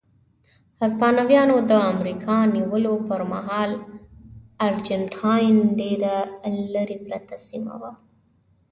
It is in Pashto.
هسپانویانو د امریکا نیولو پر مهال ارجنټاین ډېره لرې پرته سیمه وه.